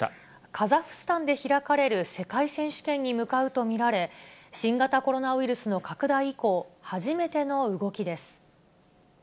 カザフスタンで開かれる世界選手権に向かうと見られ、新型コロナウイルスの拡大以降、初めての動きです。